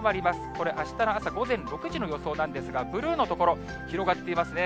これ、あしたの朝午前６時の予想なんですが、ブルーの所、広がっていますね。